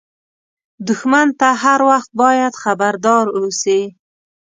دښمن ته هر وخت باید خبردار اوسې